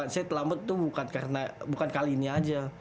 saya telamat tuh bukan kali ini aja